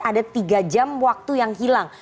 ada tiga jam waktu yang hilang